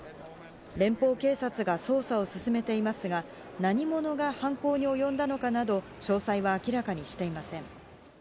連邦警察が捜査を進めていますが、何者が犯行に及んだのかなど、詳細は明らかにしていません。